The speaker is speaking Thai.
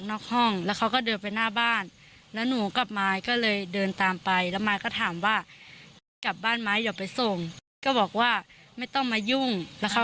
กลับบ้านมายเดี๋ยวไปส่งก็บอกว่าไม่ต้องมายุ่ง